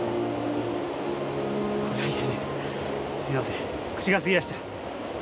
すいません口が過ぎやした。